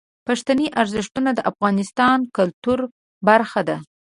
پښتني ارزښتونه د افغانستان د کلتور برخه ده.